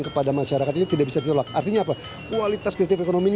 kepada masyarakat ini tidak bisa ditolak artinya apa kualitas kreatif ekonomi ini